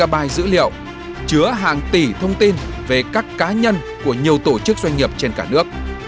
bài dữ liệu chứa hàng tỷ thông tin về các cá nhân của nhiều tổ chức doanh nghiệp trên cả nước